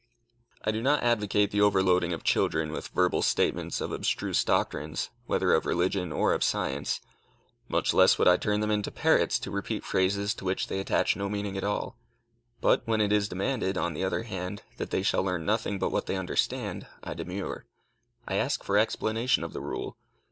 I do not advocate the overloading of children with verbal statements of abstruse doctrines, whether of religion or of science. Much less would I turn them into parrots, to repeat phrases to which they attach no meaning at all. But when it is demanded, on the other hand, that they shall learn nothing but what they understand, I demur. I ask for explanation of the rule.